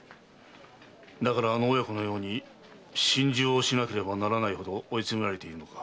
だからあの親子のように心中をしなければならないほど追い詰められているのか。